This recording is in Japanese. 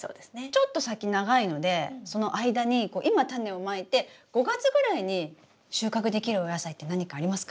ちょっと先長いのでその間に今タネをまいて５月ぐらいに収穫できるお野菜って何かありますか？